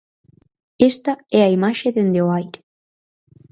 Esta é a imaxe dende o aire.